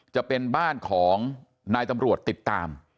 จะเป็นบ้านของนายตำรวจติดตาม